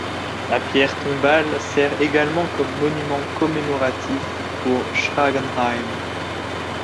Sa pierre tombale sert également comme monument commémoratif pour Schragenheim.